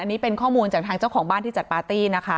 อันนี้เป็นข้อมูลจากทางเจ้าของบ้านที่จัดปาร์ตี้นะคะ